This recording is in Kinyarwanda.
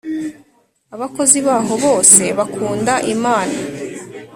Abakozi bahobose bakunda imana.